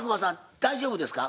大丈夫ですか？